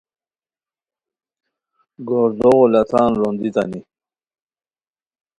گوردوغو لتان زوندیئتانی